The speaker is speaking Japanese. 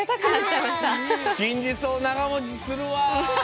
きんじそうながもちするわ。